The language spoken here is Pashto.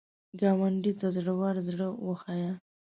ګاونډي ته زړور زړه وښیه